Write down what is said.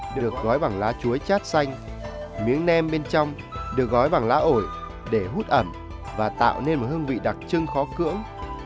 được gói bằng lá chuối chát xanh miếng nem bên trong được gói bằng lá ổi để hút ẩm và tạo nên một hương vị đặc trưng khó cưỡng